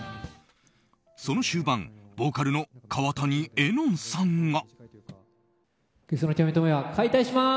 その終盤、ボーカルの川谷絵音さんが。